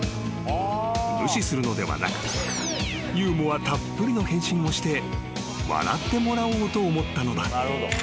［無視するのではなくユーモアたっぷりの返信をして笑ってもらおうと思ったのだ］